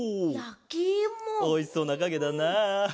おいしそうなかげだな。